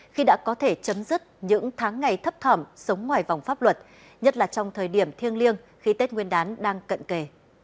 khi đã có thể chấm dứt những tháng ngày thấp thỏm sống ngoài vòng pháp luật nhất là trong thời điểm thiêng liêng khi tết nguyên đán đang cận kề